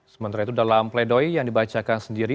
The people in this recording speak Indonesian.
sementara itu dalam pledoi yang dibacakan sendiri